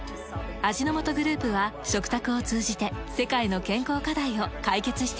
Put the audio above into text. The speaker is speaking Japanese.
味の素グループは食卓を通じて世界の健康課題を解決していきます。